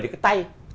thì cái tay